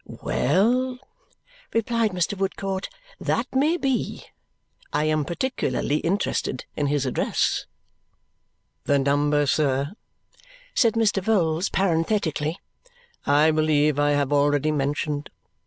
"Well," replied Mr. Woodcourt, "that may be. I am particularly interested in his address." "The number, sir," said Mr. Vholes parenthetically, "I believe I have already mentioned.